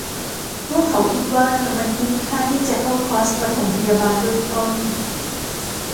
พวกเขาคิดว่ามันคุ้มค่าที่จะเข้าคอร์สปฐมพยาบาลเบื้องต้น